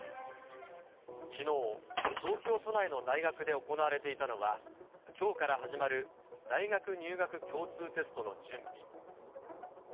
きのう、東京都内の大学で行われていたのは、きょうから始まる大学入学共通テストの準備。